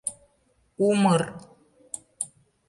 Умыр...